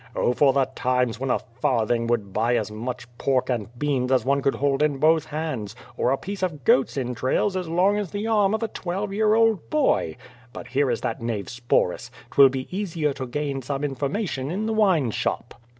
Oh, for the times when a farthing would buy as much pork and beans as one could hold in both hands, or a piece of goat's entrails as long as the arm of a twelve year old boy. But here is that knave Sporus. ^Twill be easier to gain some information in the wineshop.